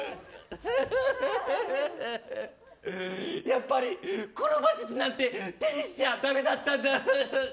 やっぱり黒魔術なんて手にしちゃだめだったんだ。